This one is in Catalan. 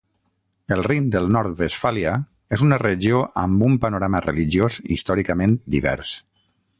El Rin del Nord-Westfàlia és una regió amb un panorama religiós històricament divers.